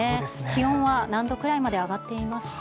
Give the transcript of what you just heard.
気温は何度くらいまで上がっていますか。